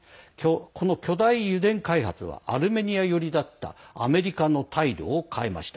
この巨大油田開発はアルメニア寄りだったアメリカの態度を変えました。